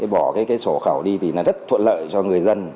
bỏ cái sổ khẩu đi thì rất thuận lợi cho người dân